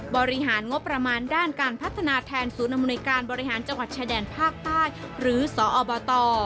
บริหารงบประมาณด้านการพัฒนาแทนศูนย์อำนวยการบริหารจังหวัดชายแดนภาคใต้หรือสอบต